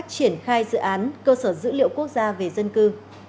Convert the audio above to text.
triển khai dự án cơ sở dữ liệu quốc gia về dân cư